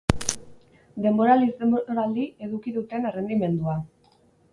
Denboraldiz denboraldi eduki duten errendimendua.